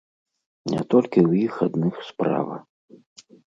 Не толькі ў іх адных справа.